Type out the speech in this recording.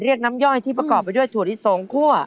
น้ำย่อยที่ประกอบไปด้วยถั่วลิสงคั่ว